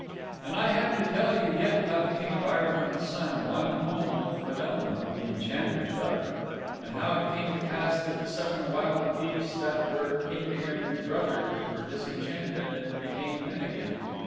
And I have to tell you yet how the King of Ireland's Son won home with Fedelma, the Enchanter's daughter, and how it came to pass that the Seven Wild Geese that were Caintigern's brothers were disenchanted and became men again.